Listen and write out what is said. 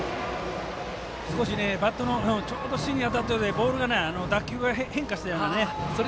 少しバットのちょうど芯に当たってボールが打球が変化したんですね。